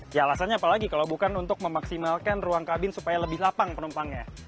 ya alasannya apalagi kalau bukan untuk memaksimalkan ruang kabin supaya lebih lapang penumpangnya